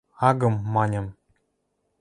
– Агым, – маньым.